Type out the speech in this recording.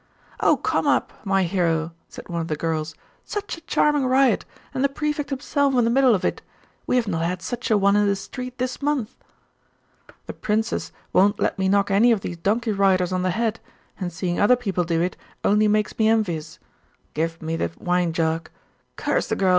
'Oh come up, my hero,' said one of the girls. 'Such a charming riot, and the Prefect himself in the middle of it! We have not had such a one in the street this month.' 'The princes won't let me knock any of these donkey riders on the head, and seeing other people do it only makes me envious. Give me the wine jug curse the girl!